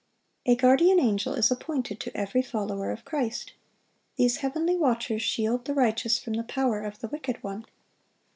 A guardian angel is appointed to every follower of Christ. These heavenly watchers shield the righteous from the power of the wicked one.